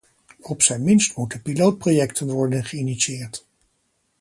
Op zijn minst moeten pilootprojecten worden geïnitieerd.